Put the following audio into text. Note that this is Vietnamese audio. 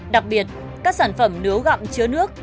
đặc biệt các sản phẩm nướu gặm chứa nước